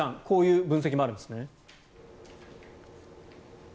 こういう分析もあるんですね。